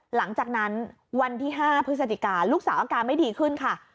หลังจากที่วันที่๕พฤศจิกาลูกสาวอาการไม่ดีขึ้นค่ะ